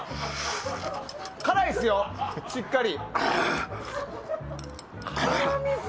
辛いですよ、しっかり。